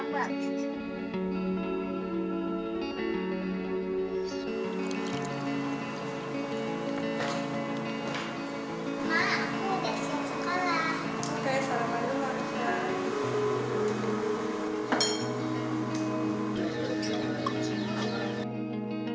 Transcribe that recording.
siang tak lama